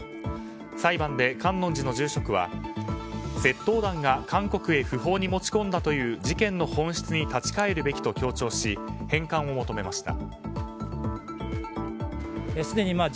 裁判では観音寺の住職は窃盗団が韓国へ不法に持ち込んだという事件の本質に立ち返るべきと強調し返還を求めました。